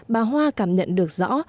bà hoa cảm nhận được rõ